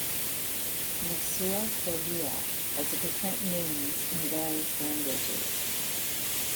Mesua ferrea has different names in various languages.